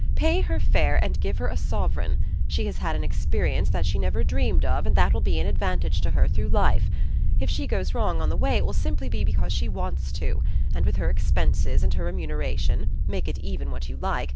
Pay her fare and give her a sovereign. She has had an experience that she never dreamed of and that will be an advantage to her through life. If she goes wrong on the way it will be simply because she wants to, and, with her expenses and her remuneration make it even what you like!